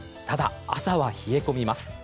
ただ、朝は冷え込みます。